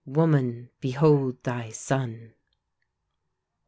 '" "WOMAN, BEHOLD THY SON!"